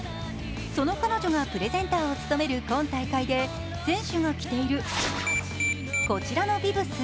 その彼女がプレゼンターを務める今大会で選手が着ているこちらのビブス